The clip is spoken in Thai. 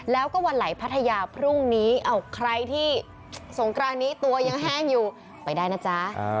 แล้วก็วันไหลพัทยาพรุ่งนี้ใครที่สงกรานนี้ตัวยังแห้งอยู่ไปได้นะจ๊ะ